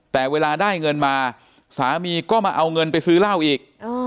แต่เวลาได้เงินมาสามีก็มาเอาเงินไปซื้อเหล้าอีก